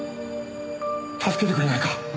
助けてくれないか？